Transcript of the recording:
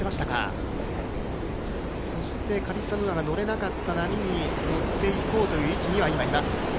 カリッサ・ムーアが乗れなかった波に乗っていこうという位置にはいます。